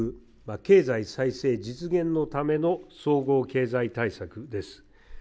経済再生実現のための総合経済対策です。